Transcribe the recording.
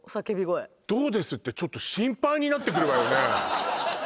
「どうです？」ってちょっと心配になってくるわよね